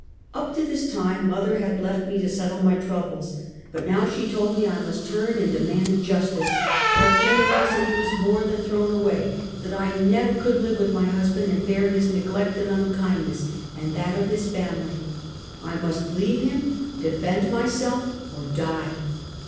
Up to this time mother had left me to settle my troubles, but now, she told me I must turn and de mand justice; that generosity was more than thrown away; that I never could live with my husband and bear his neglect and unkindness and that of bis fam ily. I must leave him, defend myself, or die.